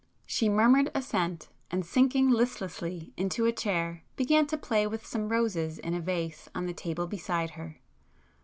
She murmured assent, and sinking listlessly into a chair, began to play with some roses in a vase on the table beside her.